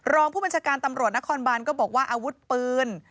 รองผู้บัญชาการตำรวจนครบานก็บอกว่าอาวุธปืน